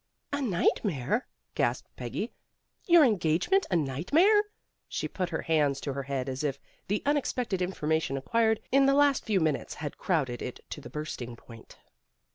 "A nightmare," gasped Peggy. "Your en gagement a nightmare!" She put her hands to her head as if the unexpected information acquired in the last few minutes had crowded it to the bursting point.